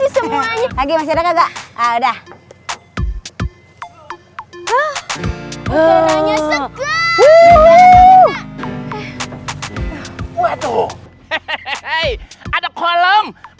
semuanya ada kolom kolom